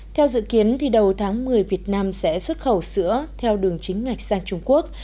theo dự kiến đầu tháng một mươi việt nam sẽ xuất khẩu sữa theo đường chính ngạch sang trung quốc